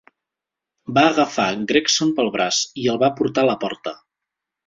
Va agafar Gregson pel braç i el va portar a la porta.